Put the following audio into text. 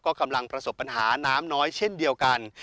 ก็กำลังประสบปัญหาน้ำน้อยเช่นเดียวกัน